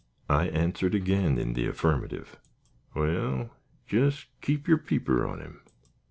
I answered again in the affirmative. "Wal, jis keep yer peeper on him."